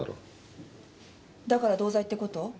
だから同罪ってこと？